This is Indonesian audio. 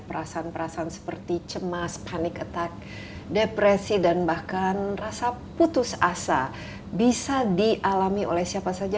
perasaan perasaan seperti cemas panik attack depresi dan bahkan rasa putus asa bisa dialami oleh siapa saja